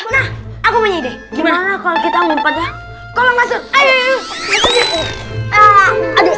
nah apanya deh gimana kalau kita numpad profile nai a empat